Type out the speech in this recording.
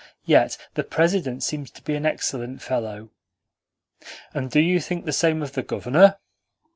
Yet the President seems to be an excellent fellow." "And do you think the same of the Governor?"